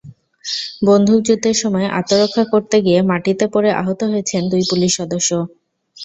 বন্দুকযুদ্ধের সময় আত্মরক্ষা করতে গিয়ে মাটিতে পড়ে আহত হয়েছেন দুই পুলিশ সদস্য।